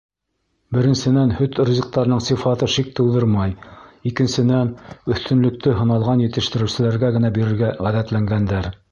Беренсенән, һөт ризыҡтарының сифаты шик тыуҙырмай, икенсенән, өҫтөнлөктө һыналған етештереүселәргә генә бирергә ғәҙәтләнгәндәр.